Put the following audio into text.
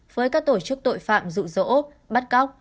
với các tổ chức tội phạm dụ dỗ bắt cóc